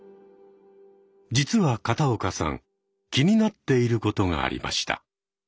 実は片岡さん気になっていることがありました。